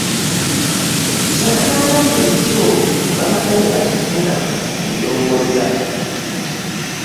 Kye banoonya bulijjo baamaze ne bakifuna ndowooza.